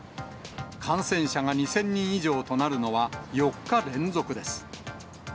感染者が２０００人以上となるのは４日連続です。